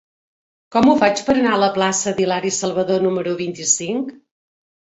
Com ho faig per anar a la plaça d'Hilari Salvadó número vint-i-cinc?